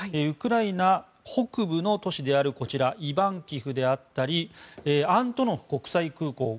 ウクライナ北部の都市であるイバンキフであったりアントノフ国際空港